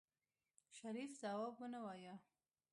شريف ځواب ونه وايه.